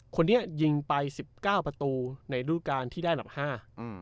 คนนี้ยิงไป๑๙ประตูในรูการที่ด้านหลับห้า